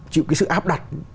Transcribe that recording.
chịu cái sự áp đặt